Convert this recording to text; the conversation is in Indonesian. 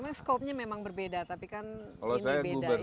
memang skopnya memang berbeda tapi kan ini beda ya